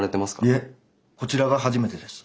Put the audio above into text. いえこちらが初めてです。